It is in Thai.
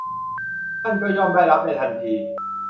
ท่านก็ย่อมได้รับในทันที